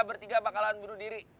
bertiga bakalan bunuh diri